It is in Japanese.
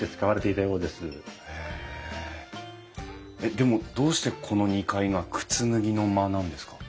でもどうしてこの２階が靴脱ぎの間なんですか？